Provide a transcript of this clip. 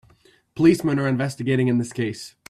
Policemen are investigating in this case.